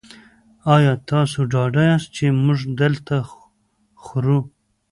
ایا تاسو ډاډه یاست چې موږ دلته خورو؟